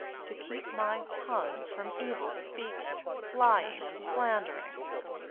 . To keep my tongue from evil speaking, lying, and slandering."